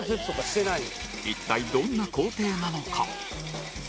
一体どんな工程なのか？